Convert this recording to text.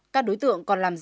các đối tượng còn làm dụng